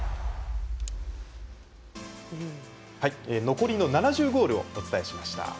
残りの７０ゴールをお伝えしました。